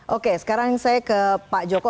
oke sekarang saya ke pak joko